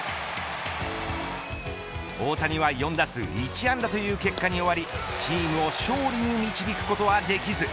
大谷は４打数１安打という結果に終わりチームを勝利に導くことはできず。